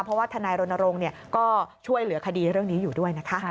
เพราะว่าทนายรณรงค์ก็ช่วยเหลือคดีเรื่องนี้อยู่ด้วยนะคะ